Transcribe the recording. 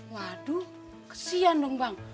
waduh kesian dong bang